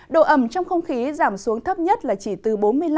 độ ẩm trong không khí giảm xuống thấp nhất là chỉ từ bốn mươi năm năm mươi năm